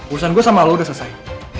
urusan gue sama lo udah selesai